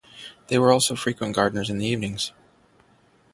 They were also frequent gardeners in the evenings.